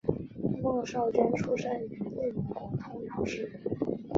孟昭娟出生于内蒙古通辽市。